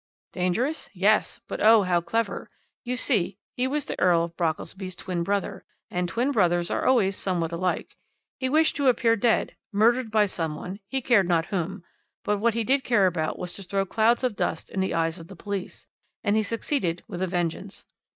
"Dangerous? Yes! but oh, how clever. You see, he was the Earl of Brockelsby's twin brother, and twin brothers are always somewhat alike. He wished to appear dead, murdered by some one, he cared not whom, but what he did care about was to throw clouds of dust in the eyes of the police, and he succeeded with a vengeance.